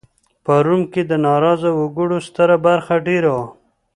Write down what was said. په روم کې د ناراضه وګړو ستره برخه دېره وه